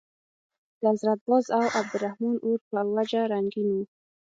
د حضرت باز او عبدالرحمن اور په وجه به رنګین وو.